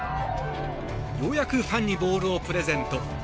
ようやくファンにボールをプレゼント。